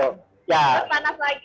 terus panas lagi